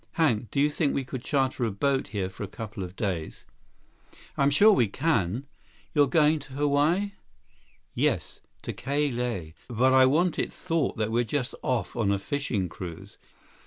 "Hank, do you think we could charter a boat here for a couple of days?" "I'm sure we can. You're going to Hawaii?" "Yes. To Ka Lae. But, I want it thought that we're just off on a fishing cruise.